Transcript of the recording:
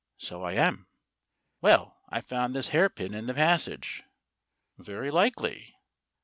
"So I am." "Well, I found this hairpin in the passage." "Very likely.